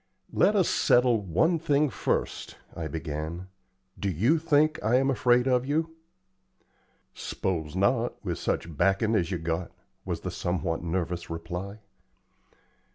"Let us settle one thing first," I began. "Do you think I am afraid of you?" "S'pose not, with sich backin' as yer got," was the somewhat nervous reply.